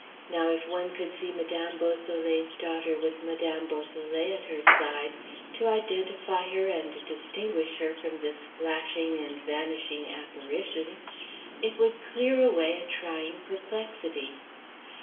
Now, if one could see Madame Beausoleil's daughter with Madame Beausoleil at her side to identify her and distinguish her from this flashing and vanishing apparition it would clear away a trying perplexity.